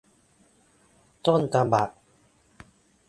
ต้นฉบับ